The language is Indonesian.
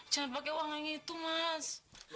jangan pakai uangnya itu mas